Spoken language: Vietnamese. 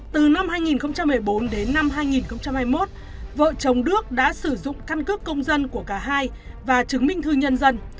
từ năm hai nghìn một mươi bốn đến năm hai nghìn hai mươi một vợ chồng đức đã sử dụng căn cước công dân của cả hai và chứng minh thư nhân dân